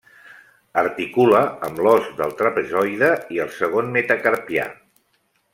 Articula amb l'os del trapezoide i el segon metacarpià.